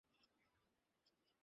আমাদের এবং আমাদের পূর্বপুরুষদের পাপ!